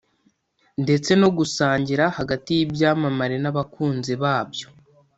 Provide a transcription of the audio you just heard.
ndetse no gusangira hagati y’ibyamamare n’abakunzi babyo